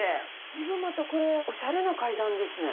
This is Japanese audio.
随分またこれおしゃれな階段ですね。